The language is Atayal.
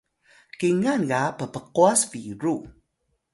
kingan ga ppqwas biru